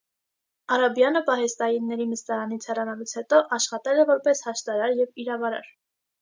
Արաբյանը պահեստայինների նստարանից հեռանալուց հետո աշխատել է որպես հաշտարար և իրավարար։